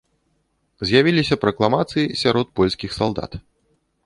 З'явіліся пракламацыі сярод польскіх салдат.